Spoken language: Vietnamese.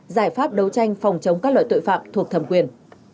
giải pháp đấu tranh phòng chống các loại tội phạm thuộc thẩm quyền